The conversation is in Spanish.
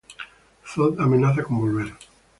Zod amenaza con volver.